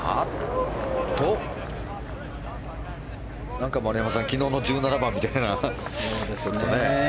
なんか丸山さん昨日の１７番みたいな。